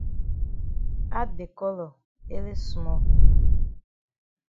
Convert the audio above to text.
Add de colour ele small.